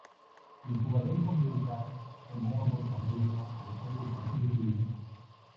El jugador comienza el modo Torneo del juego con tres vidas.